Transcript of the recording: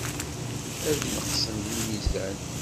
Ad neqsen deg lmizan.